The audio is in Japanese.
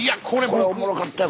これおもろかったよ